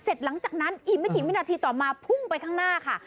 หลังจากนั้นอีกไม่กี่วินาทีต่อมาพุ่งไปข้างหน้าค่ะ